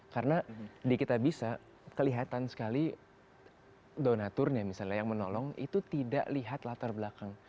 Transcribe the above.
karena di kitabisa kelihatan sekali donaturnya misalnya yang menolong itu tidak lihat latar belakang